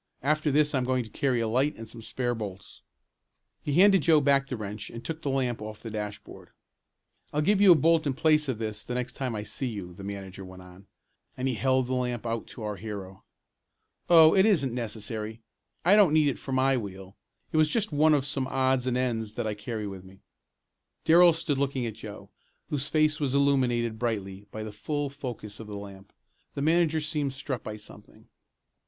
After this I'm going to carry a light, and some spare bolts." He handed Joe back the wrench and took the lamp off the dashboard. "I'll give you a bolt in place of this the next time I see you," the manager went on, as he held the lamp out to our hero. "Oh, it isn't necessary. I don't need it for my wheel. It was just one of some odds and ends that I carry with me." Darrell stood looking at Joe, whose face was illuminated brightly by the full focus of the lamp. The manager seemed struck by something.